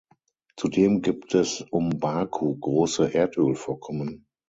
Zudem gibt es um Baku große Erdölvorkommen.